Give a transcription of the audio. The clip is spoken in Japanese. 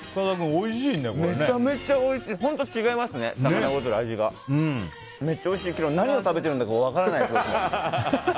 めっちゃおいしいけど何を食べてるんだか分からない。